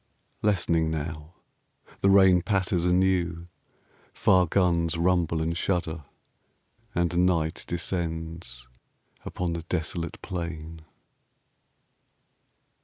Lessening now. The rain Patters anew. Far guns rumble and shudder And night descends upon the desolate plain.